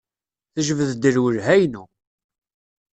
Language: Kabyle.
Tejbed-d lwelha-inu.